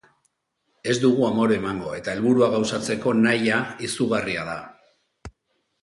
Ez dugu amore emango eta helburua gauzatzeko nahia izugarria da.